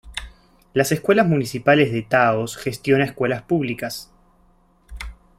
Las Escuelas Municipales de Taos gestiona escuelas públicas.